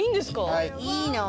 はい。